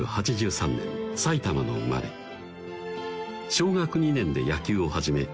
小学２年で野球を始め